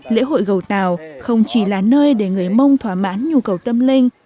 lễ hội gầu tàu không chỉ là nơi để người mông thỏa mãn nhu cầu tâm linh